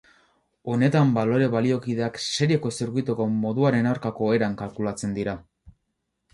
Honetan balore baliokideak serieko zirkuituko moduaren aurkako eran kalkulatzen dira.